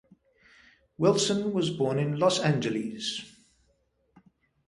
Wilson was born in Los Angeles.